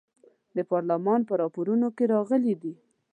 د پارلمان په راپورونو کې راغلي دي.